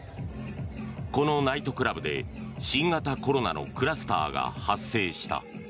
このナイトクラブで新型コロナのクラスターが発生した。